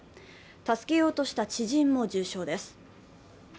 助けようとした知人も重傷です。